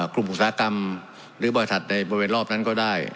อุตสาหกรรมหรือบริษัทในบริเวณรอบนั้นก็ได้